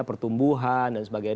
pertumbuhan dan sebagainya